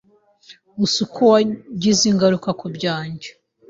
Gusa uko wagize ingaruka ku byanjye !!!…